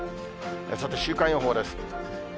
さて、週間予報です。